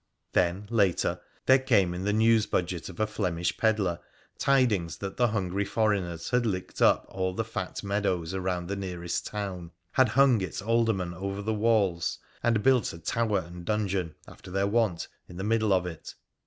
Then, later, there came in the news budget of a Flemish pedlar tidings that the hungry foreigners had licked up all the fat meadows around the nearest town, had hung its aldermen over the walls, and built a tower and dungeon (after their wont) in the middle of it.